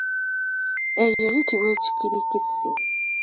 Eyo eyitibwa ekikirikisi.